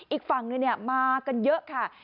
อีกฝั่งมากันเยอะค่ะ